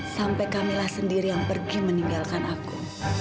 sampai kamilah sendiri yang pergi meninggalkan aku